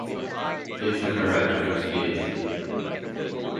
These occur at different speeds.